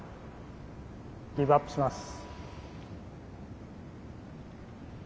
ギブアップします。